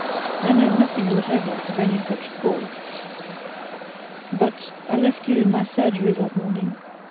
I know nothing whatever of any such call! But I left you in my surgery that morning.